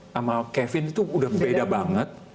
sama kevin itu udah beda banget